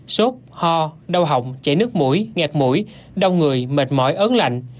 sốt ho đau hỏng chảy nước mũi nhạt mũi đau người mệt mỏi ớn lạnh